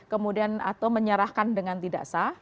kemudian atau menyerahkan dengan tidak sah